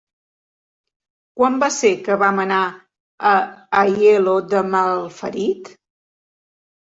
Quan va ser que vam anar a Aielo de Malferit?